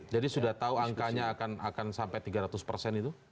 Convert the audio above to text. jadi sudah tahu angkanya akan sampai tiga ratus persen itu